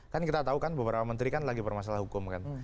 kan kita tahu kan beberapa menteri kan lagi bermasalah hukum kan